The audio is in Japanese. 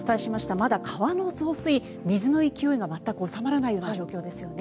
まだ川の増水、水の勢いが全く収まらない状況ですね。